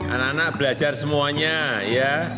anak anak belajar semuanya ya